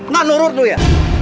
nganurur dulu ya